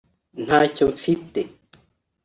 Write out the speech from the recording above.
Ntacyo mfite